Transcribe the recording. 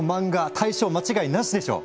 大賞間違いなしでしょう！